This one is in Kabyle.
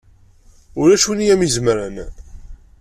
Ulac win i m-izemren!